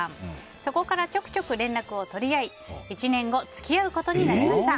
そこから連絡を取り合い１年後付き合うことになりました。